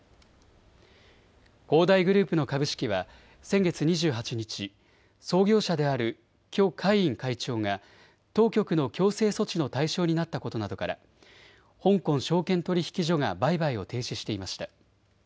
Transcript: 恒大グループの株式は先月２８日、創業者である許家印会長が当局の強制措置の対象になったことなどから香港証券取引所が売買を停止していました。